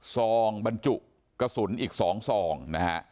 ซองบรรจุกระสุนอีก๒ซองนะฮะ